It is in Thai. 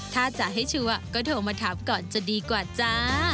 ถ้าจะให้ชัวร์ก็โทรมาถามก่อนจะดีกว่าจ้า